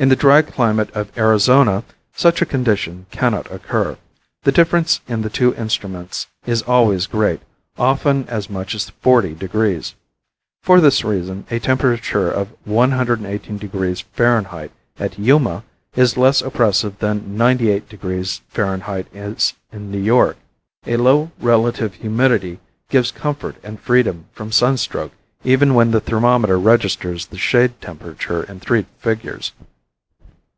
In the dry climate of Arizona such a condition cannot occur. The difference in the two instruments is always great, often as much as forty degrees. For this reason, a temperature of 118 degrees F. at Yuma is less oppressive than 98 degrees F. is in New York. A low relative humidity gives comfort and freedom from sunstroke even when the thermometer registers the shade temperature in three figures.